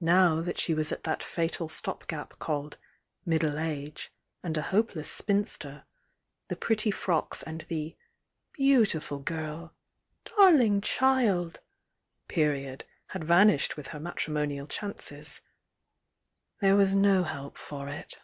Now that she was at that fatal stop gap called "middle age" and a hopeless spinster, the pretty frocks and the "beautiful girl darling child" ppriod had vanished with her matrimonial chances. There was no help for it.